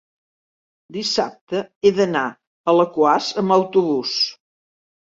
Dissabte he d'anar a Alaquàs amb autobús.